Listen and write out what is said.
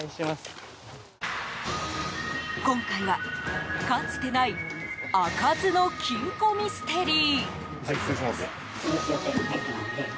今回は、かつてない開かずの金庫ミステリー。